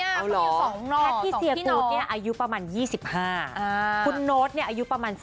แพทย์ที่เซียกูธอายุประมาณ๒๕คุณโน้ตอายุประมาณ๓๙